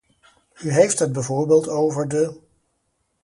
U heeft het bijvoorbeeld over de .